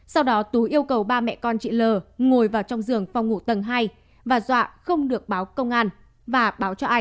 sau đó tú yêu cầu ba mẹ con chị l ngồi vào trong giường phòng ngủ tầng hai và dọa không được báo công an và báo cho ai